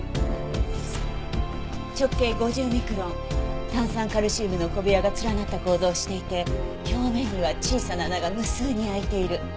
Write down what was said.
直径５０ミクロン炭酸カルシウムの小部屋が連なった構造をしていて表面には小さな穴が無数にあいている。